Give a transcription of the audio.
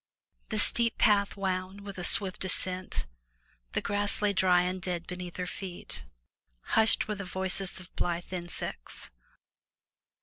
The steep path wound with a swift ascent; the grass lay dry and dead beneath her feet; hushed were the voices of blithe insects.